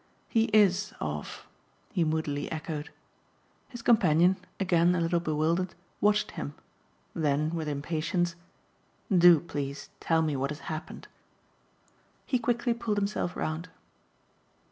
"He IS off," he moodily echoed. His companion, again a little bewildered, watched him; then with impatience: "Do, please, tell me what has happened." He quickly pulled himself round.